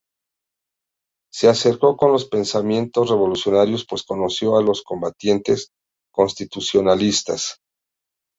Se acercó con los pensamientos revolucionarios pues conoció a los combatientes constitucionalistas.